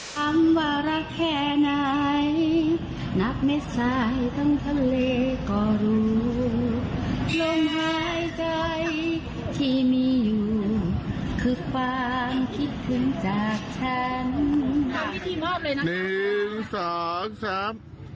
ที่มีอยู่คือความคิดถึงจากฉันน่ะพร้อมพิธีมอบเลยนะคะหนึ่งสองสาม